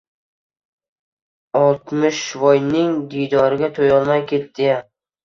Oltmishvoyning diydoriga to‘yolmay ketdi-ya!